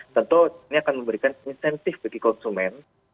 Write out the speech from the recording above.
tentu ini akan memberikan insentif bagi konsumen